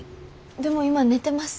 でも今寝てます。